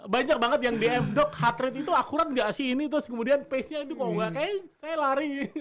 banyak banget yang dm dog heart rate itu akurat nggak sih ini terus kemudian pace nya itu kok enggak kayaknya saya lari